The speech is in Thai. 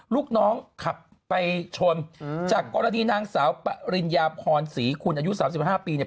ลูกน้องขับไปชนจากกรณีนางสาวปริญญาพรศรีคุณอายุ๓๕ปีเนี่ย